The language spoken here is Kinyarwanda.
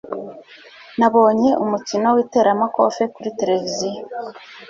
Nabonye umukino w'iteramakofe kuri tereviziyo.